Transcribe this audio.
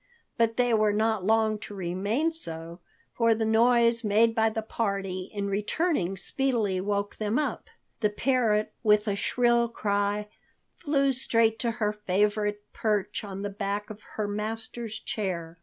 But they were not long to remain so, for the noise made by the party in returning speedily woke them. The parrot, with a shrill cry, flew straight to her favorite perch on the back of her master's chair.